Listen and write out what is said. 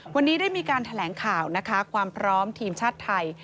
วันนี้ได้มีการแถลงข่าวนะคะความพร้อมทีมชาติไทย